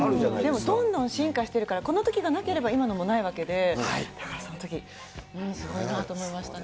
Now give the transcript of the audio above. でも、どんどん進化してるから、このときがなければ、今のもないわけで、だからそのとき、すごいなぁと思いましたね。